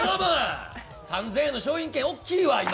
３０００円の商品券、大きいわ、今。